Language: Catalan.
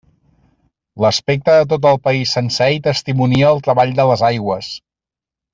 L'aspecte de tot el país sencer hi testimonia el treball de les aigües.